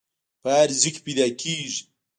په هر ځای کې پیدا کیږي.